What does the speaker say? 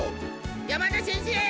山田先生